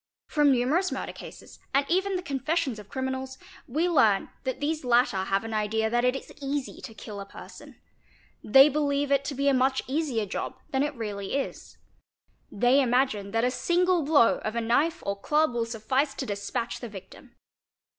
From numerous murder cases, and even the confessions of criminals, we learn that these latter have an idea that it is easy to kill a person; they believe it to be a much easier job than it really is; they imagine that a single blow of a knife or club will suffice to despatch the victim.